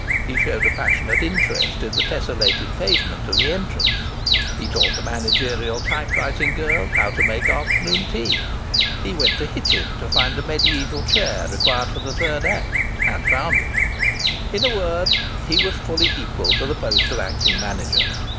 He showed a passionate interest in the tessellated pavement of the entrance. He taught the managerial typewriting girl how to make afternoon tea. He went to Hitchin to find a mediaeval chair required for the third act, and found it. In a word, he was fully equal to the post of acting manager.